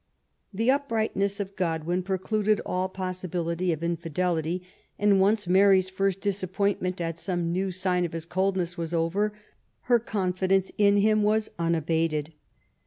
The uprightness of Godwin precluded all possibility of infidelity, and once Mary's first disappointment at some new sign of his coldness was over, her confi dence in him was unabated.